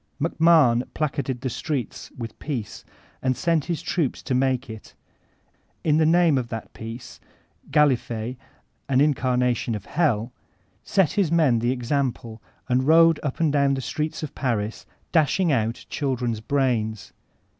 MacMahon placarded the streets with peace and sent his troops to make it; in the name of that Peace, Gallifet, an incarnation of hell, set his men the example and rode up and down the streets of Paris, dashing out children's brains.